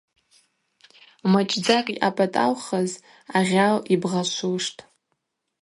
Мачӏдзакӏ йъапӏатӏаухыз агъьал йбгъашвуштӏ.